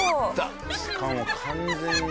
しかも完全に。